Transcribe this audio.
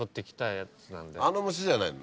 あの虫じゃないの？